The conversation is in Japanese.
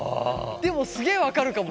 でもすげえ分かるかも。